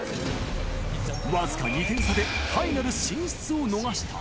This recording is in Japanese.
僅か２点差でファイナル進出を逃した。